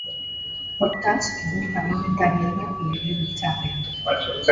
Hortaz, egun parlamentaria da legebiltzarrean.